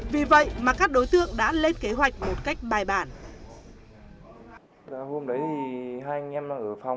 vì vậy mà các đối tượng đã lên kế hoạch một cách bài bản